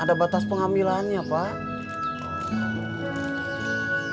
ada batas pengambilannya pak